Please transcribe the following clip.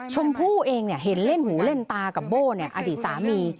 ชมพู่เองเห็นเล่นหูเล่นตากับโบ้อดีตสามี